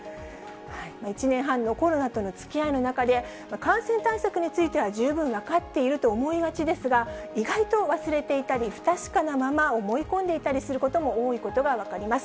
１年半のコロナとのつきあいの中で、感染対策については十分分かっていると思いがちですが、意外と忘れていたり、不確かなまま思い込んでいたりすることも多いことが分かります。